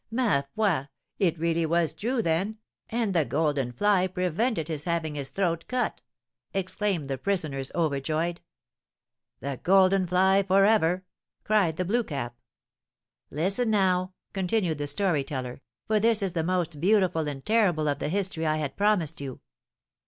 "Ma foi! It really was true, then, and the golden fly prevented his having his throat cut," exclaimed the prisoners, overjoyed. "The golden fly for ever!" cried the Blue Cap. "Listen now," continued the story teller, "for this is the most beautiful and terrible of the history I had promised you.